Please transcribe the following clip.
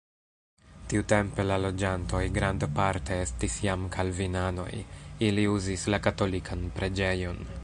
Tiutempe la loĝantoj grandparte estis jam kalvinanoj, ili uzis la katolikan preĝejon.